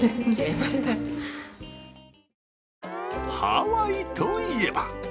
ハワイといえば！